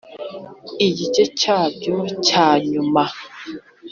igice cya byo cya nyuma.